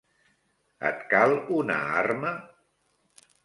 Et cal una arma?